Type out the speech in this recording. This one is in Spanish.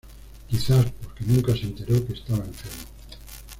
Quizás, porque nunca se enteró que estaba enfermo.